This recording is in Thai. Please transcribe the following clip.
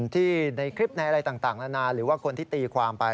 ที่ในคลิปในอะไรต่างนานาหรือว่าคนที่ตีความไป